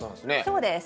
そうです。